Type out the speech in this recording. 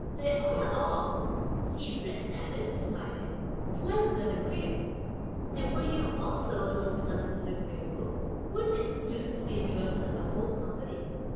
"They are all," Hsi Jen added, smilingly, "pleasant and agreeable, and were you also a little pleasant and agreeable, wouldn't it conduce to the enjoyment of the whole company?"